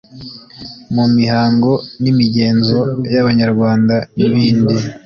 mu mihango n’imigenzo y’Abanyarwanda n’ibindi.